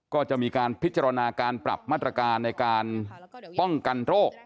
ก็จะมีการพิจารณาการปรับมาตรการในการป้องกันโรค